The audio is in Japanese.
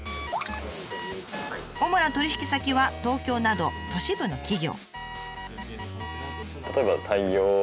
主な取引先は東京など都市部の企業。